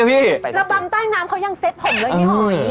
ไปดีนะพี่รับบรัมต้ายน้ำเขายังแสตผมแบบอะไรเหรอ